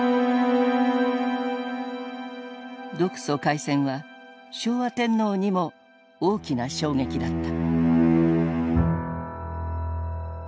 独ソ開戦は昭和天皇にも大きな衝撃だった。